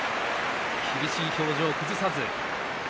厳しい表情を崩さず。